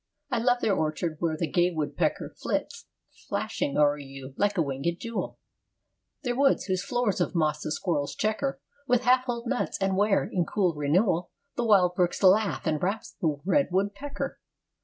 I love their orchards where the gay woodpecker Flits, flashing o'er you, like a wingèd jewel; Their woods, whose floors of moss the squirrels checker With half hulled nuts; and where, in cool renewal, The wild brooks laugh, and raps the red woodpecker.